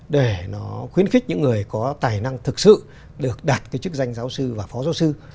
để nó khuyến khích những người có tài năng thực sự được đạt cái chức danh giáo sư và phó giáo sư